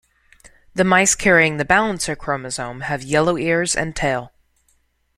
The mice carrying the balancer chromosome have yellow ears and tail.